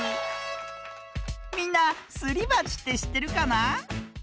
みんなすりばちってしってるかな？